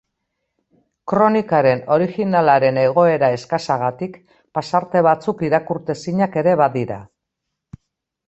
Kronikaren originalaren egoera eskasagatik pasarte batzuk irakurtezinak ere badira.